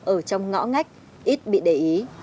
ở trong ngõ ngách ít bị để ý